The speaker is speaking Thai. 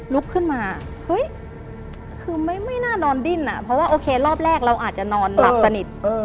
ลุกขึ้นมาเฮ้ยคือไม่น่านอนดิ้นอ่ะเพราะว่าโอเครอบแรกเราอาจจะนอนหลับสนิท